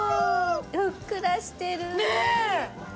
ふっくらしてる。